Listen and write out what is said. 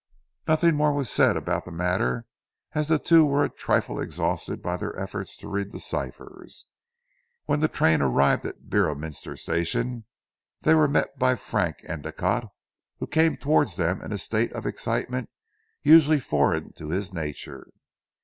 Nothing more was said about the matter, as the two were a trifle exhausted by their efforts to read the ciphers. When the train arrived at the Beorminster Station, they were met by Frank Endicotte, who came towards them in a state of excitement usually foreign to his nature.